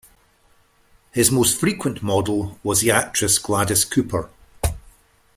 His most frequent model was the actress Gladys Cooper.